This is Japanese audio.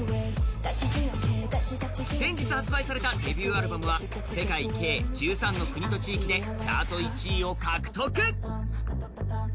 先日発売されたデビューアルバムは世界計１３の国と地域でチャート１位を獲得。